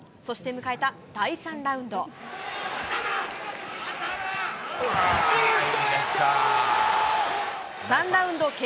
そして迎えた第３ラウンド。